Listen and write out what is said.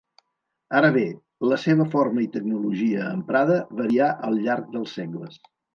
Ara bé, la seva forma i tecnologia emprada varià al llarg dels segles.